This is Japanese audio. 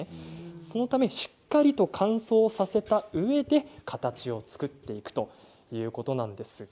そのためにしっかりと乾燥させたうえで形を作っていくということなんです。